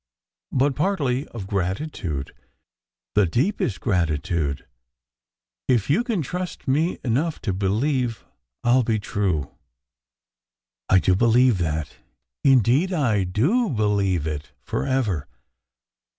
But partly of grati SECRET HISTORY 135 tudc, the deepest gratitude, if you can trust me enough to believe I ll be true." " I do believe that, indeed I do believe it, forever.